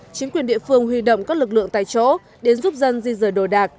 chính quyền địa phương huy động các lực lượng tại chỗ đến giúp dân di rời đồ đạc